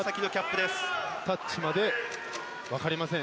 タッチまで分かりません。